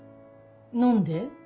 何で？